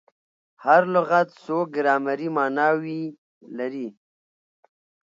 هر لغت څو ګرامري ماناوي لري.